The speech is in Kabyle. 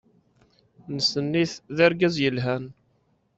Nessen-it, d argaz yelhan.